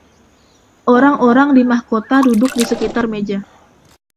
Orang-orang di mahkota duduk di sekitar meja.